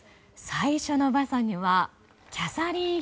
最初の馬車にはキャサリン妃。